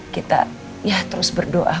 kita ya terus berdoa